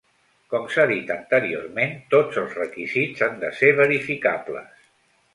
Com s'ha dit anteriorment, tots els requisits han de ser verificables.